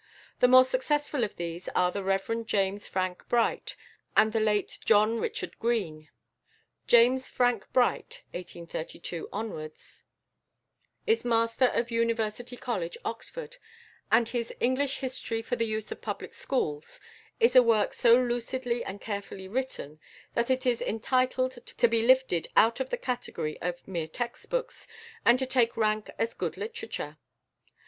The more successful of these are the Rev. James Franck Bright and the late John Richard Green. =James Franck Bright (1832 )= is master of University College, Oxford, and his "English History for the use of Public Schools" is a work so lucidly and carefully written, that it is entitled to be lifted out of the category of mere text books, and to take rank as good literature.